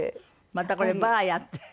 またこれ「バーヤ」って。